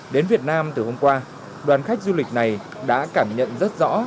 đến việt nam từ hôm qua đoàn khách du lịch này đã cảm nhận rất rõ